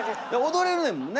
踊れるねんもんね。